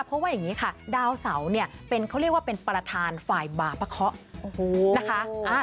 เพราะว่าอย่างนี้ค่ะดาวเสาเนี่ยเป็นเขาเรียกว่าเป็นประธานฝ่ายบาปะเคาะนะคะ